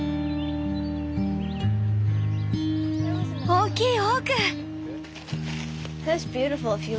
大きいオーク！